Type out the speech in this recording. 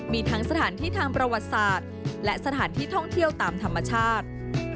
มีทั้งสถานที่ทางประวัติศาสตร์และสถานที่ท่องเที่ยวตามธรรมชาติ